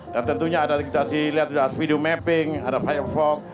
dan tentunya kita lihat ada video mapping ada firefox